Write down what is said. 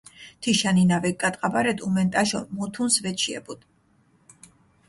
თიშა ნინა ვეკგატყაბარედჷ, უმენტაშო მუთუნს ვეჩიებუდჷ.